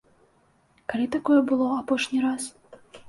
Калі такое было апошні раз?